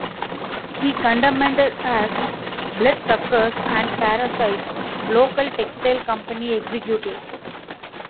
He condemned as "bloodsuckers and parasites" local textile company executives.